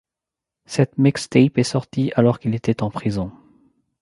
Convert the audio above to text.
Cette mixtape est sortie alors qu'il était en prison.